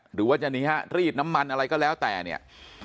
หรือว่าจะนี่ฮะรีดน้ำมันอะไรก็แล้วแต่เนี่ย